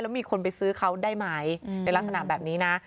มีคนไปซื้อเขาได้ไหมในลักษณะแบบนี้นะ